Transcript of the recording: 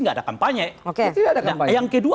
nggak ada kampanye yang kedua